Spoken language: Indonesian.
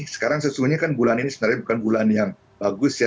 sekarang sesungguhnya kan bulan ini sebenarnya bukan bulan yang bagus ya